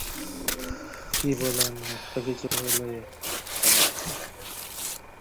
তিনি কলকাতা হাইকোর্টে এবং বহরমপুর জজ কোর্টে ওকালতি শুরু করেন।